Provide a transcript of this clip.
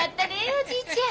おじいちゃん。